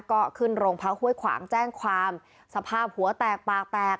ก็ขึ้นโรงพักห้วยขวางแจ้งความสภาพหัวแตกปากแตก